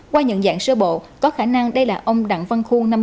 qua nhận dạng sơ bộ có khả năng đây là ông đặng văn khuôn